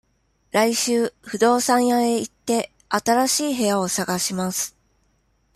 来週、不動産屋へ行って、新しい部屋を探します。